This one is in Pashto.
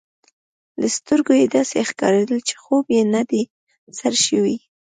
له سترګو يې داسي ښکارېدل، چي خوب یې نه دی سر شوی.